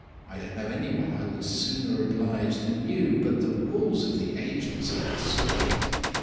I don't know any one I would sooner oblige than you; but the rules of the agency are strict.